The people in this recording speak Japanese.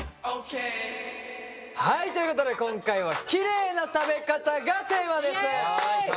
はいということで今回は「キレイな食べ方」がテーマです。